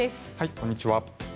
こんにちは。